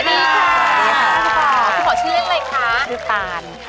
คุณหมอชื่อเรแล้วล่ะคะ